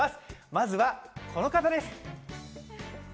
まずはこの方です。